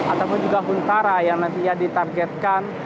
ataupun juga huntara yang nantinya ditargetkan